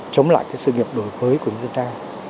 chống lại sự nghiệp đổi phới của người dân ta